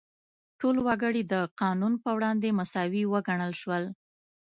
ټول وګړي د قانون په وړاندې مساوي وګڼل شول.